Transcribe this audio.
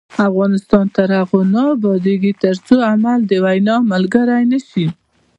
افغانستان تر هغو نه ابادیږي، ترڅو عمل د وینا ملګری نشي.